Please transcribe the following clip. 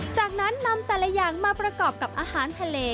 จากนั้นนำแต่ละอย่างมาประกอบกับอาหารทะเล